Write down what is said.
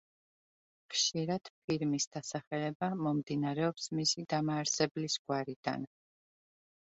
ხშირად ფირმის დასახელება მომდინარეობს მისი დამაარსებლის გვარიდან.